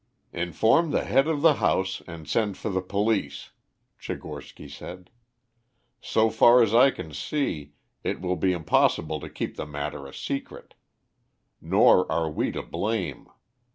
"Inform the head of the house and send for the police", Tchigorsky said; "so far as I can see, it will be impossible to keep the matter a secret. Nor are we to blame.